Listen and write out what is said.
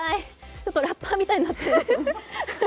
ちょっとラッパーみたいになってます。